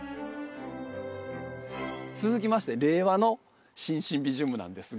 続きまして令和の新シンビジウムなんですが。